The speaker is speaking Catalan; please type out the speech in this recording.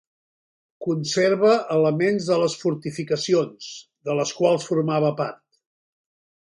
Conserva elements de les fortificacions, de les quals formava part.